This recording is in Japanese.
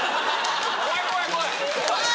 ・怖い怖い怖い！